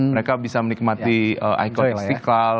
mereka bisa menikmati ikon istiqlal